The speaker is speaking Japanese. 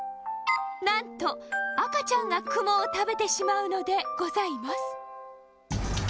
なんとあかちゃんがクモをたべてしまうのでございます。